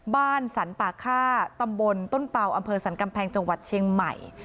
บ้านสรรป่าค่าตำบลต้นเป่าอำเภอสรรกำแพงจังหวัดเชียงใหม่